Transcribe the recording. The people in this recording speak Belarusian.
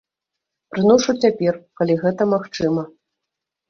Прыношу цяпер, калі гэта магчыма.